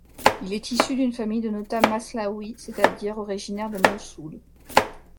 Il est issu d'une famille de notables maslawis, c'est-à-dire originaire de Moussoul.